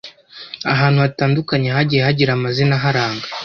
ahantu hatandukanye hagiye hagira amazina aharanga,